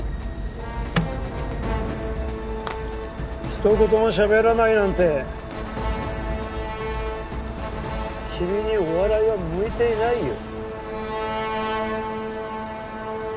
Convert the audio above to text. ひと言も喋らないなんて君にお笑いは向いていないよ。